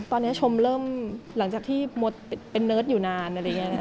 ตอนนี้ชมเริ่มหลังจากที่เป็นเนิร์ดอยู่นาน